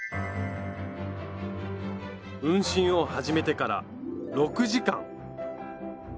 運針を始めてから６時間！